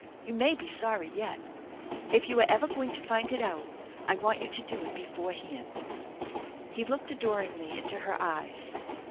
You may be sorry yet. If you are ever going to find it out, I want you to do it beforehand." He looked adoringly into her eyes.